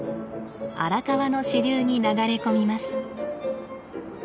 荒川の支流に流れ込みます。